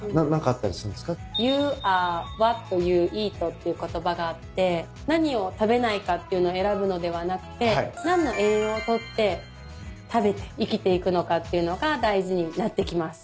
っていう言葉があって何を食べないかっていうの選ぶのではなくて何の栄養を取って食べて生きていくのかっていうのが大事になってきます。